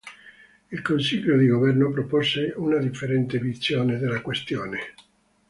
Il Consiglio di Governo propose una differente visione della questione.